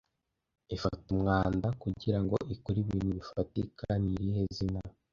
ifata umwanda kugirango ikore ibintu bifatika ni irihe zina